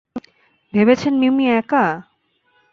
ভেবেছেন মিমি একা?